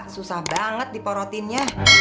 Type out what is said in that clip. susah banget diporotinnya